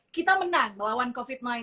kita menang melawan covid sembilan belas